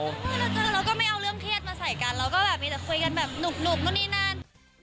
เราก็ไม่เอาเรื่องเครียดมาใส่กันเราก็แบบมีแต่คุยกันแบบหนุกนู่นนี่นั่น